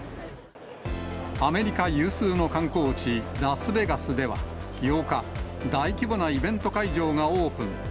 アメリカ有数の観光地、ラスベガスでは８日、大規模なイベント会場がオープン。